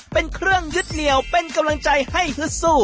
เป็นเครื่องยึดเหนียวเป็นกำลังใจให้ฮึดสู้